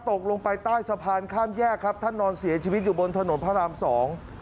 ตกลงไปใต้สะพานข้ามแยกครับท่านนอนเสียชีวิตอยู่บนถนนพระรามสอง